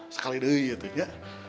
sekali deh gitu ya